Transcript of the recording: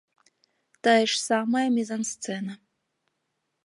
Тая ж самая мізансцэна.